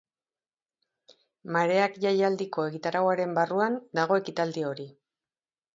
Mareak jaialdiko egitarauaren barruan dago ekitaldi hori.